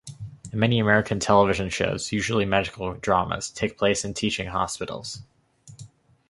Many American television shows, usually medical dramas, take place in teaching hospitals.